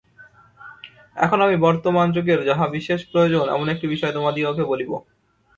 এখন আমি বর্তমান যুগের যাহা বিশেষ প্রয়োজন, এমন একটি বিষয় তোমাদিগকে বলিব।